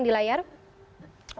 tepuk tangan di layar